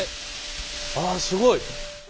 あすごい。